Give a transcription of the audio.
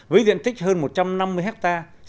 với diện tích hơn một trăm năm mươi hectare